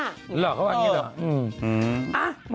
หรือเหรอเขาบอกอย่างนี้เหรออืมเออ